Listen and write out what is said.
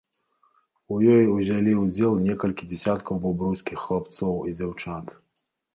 У ёй узялі ўдзел некалькі дзесяткаў бабруйскіх хлапцоў і дзяўчат.